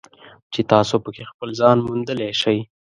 چې تاسو پکې خپل ځان موندلی شئ.